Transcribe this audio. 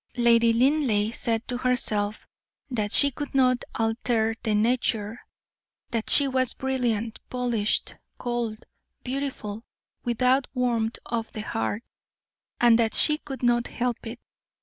Lady Linleigh said to herself that she could not alter her nature that she was brilliant, polished, cold, beautiful, without warmth of heart, and that she could not help it.